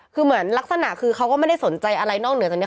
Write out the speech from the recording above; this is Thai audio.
คือเหมือนลักษณะคือเขาก็ไม่ได้สนใจอะไรนอกเหนือจากนี้